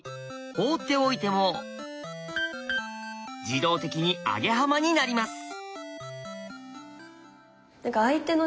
放っておいても自動的にアゲハマになります。